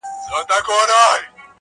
ويل موږ خداى پيدا كړي موږكان يو!.